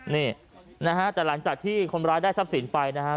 นี่นะฮะแต่หลังจากที่คนร้ายได้ทรัพย์สินไปนะครับ